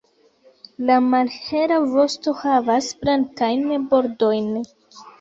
La malhela vosto havas blankajn bordojn.